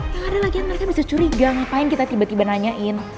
tak ada lagi yang mereka bisa curiga ngapain kita tiba tiba nanyain